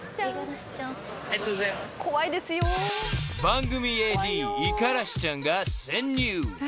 ［番組ＡＤイカラシちゃんが潜入］